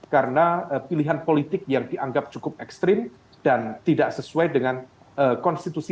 karena pilihan politik yang dianggap cukup ekstrim dan tidak sesuai dengan konstitusi